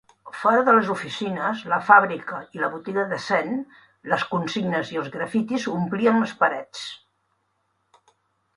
Fora de les oficines, la fàbrica i la botiga de Sen, les consignes i els grafitis omplien les parets.